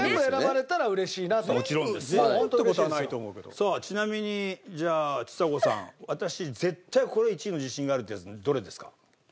さあちなみにじゃあちさ子さん私絶対これ１位の自信があるっていうやつどれですか？